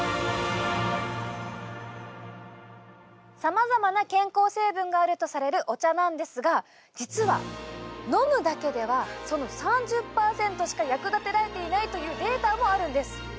さまざまな健康成分があるとされる、お茶なんですが実は飲むだけではその３０％しか役立てられていないというデータもあるんです。